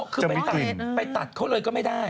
อ๋อคือหมีกลิ่นไปตัดเลยก็ไม่ได้